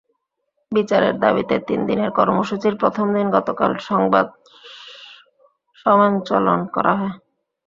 বিচারের দাবিতে তিন দিনের কর্মসূচির প্রথম দিন গতকাল সংবাদ সমেঞ্চলন করা হয়।